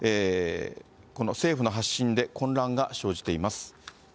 この政府の発信で混乱が生じています。